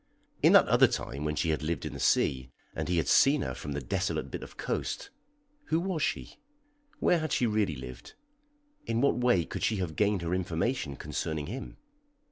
In that other time when she had lived in the sea, and he had seen her from the desolate bit of coast, who was she? Where had she really lived? In what way could she have gained her information concerning him?